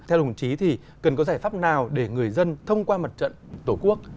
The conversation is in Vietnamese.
theo đồng chí thì cần có giải pháp nào để người dân thông qua mặt trận tổ quốc